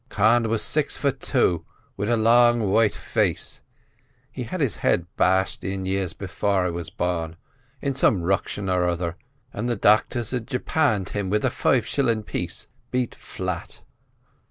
Con was six fut two, wid a long, white face; he'd had his head bashed in, years before I was barn, in some ruction or other, an' the docthers had japanned him with a five shillin' piece beat flat."